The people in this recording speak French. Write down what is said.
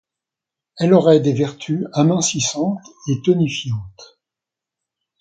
Elle aurait des vertus amincissantes et tonifiantes.